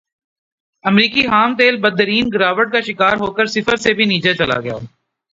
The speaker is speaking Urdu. امریکی خام تیل بدترین گراوٹ کا شکار ہوکر صفر سے بھی نیچے چلا گیا